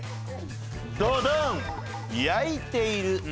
ドドン！